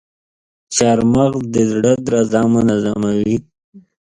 چارمغز د زړه درزا منظموي.